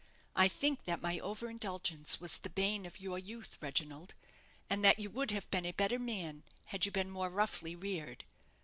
I think that my over indulgence was the bane of your youth, Reginald, and that you would have been a better man had you been more roughly reared.